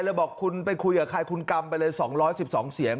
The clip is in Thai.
บอกคุณไปคุยกับใครคุณกำไปเลย๒๑๒เสียง